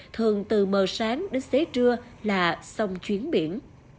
thường từ mờ sáng đến xế trưa là sông chuyến biển